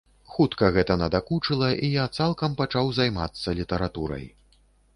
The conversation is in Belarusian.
Хутка гэта надакучыла, і я цалкам пачаў займацца літаратурай.